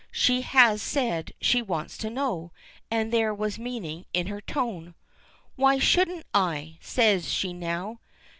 She has said she wanted to know, and there was meaning in her tone. "Why shouldn't I?" says she now.